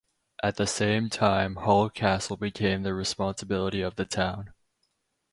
At the same time Hull Castle became the responsibility of the town.